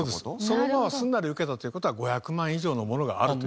そのまますんなり受けたという事は５００万以上のものがあるという。